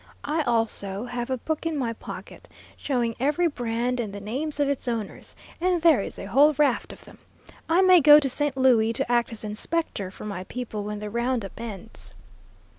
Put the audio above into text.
I also have a book in my pocket showing every brand and the names of its owners, and there is a whole raft of them. I may go to St. Louis to act as inspector for my people when the round up ends."